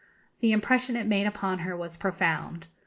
The impression it made upon her was profound.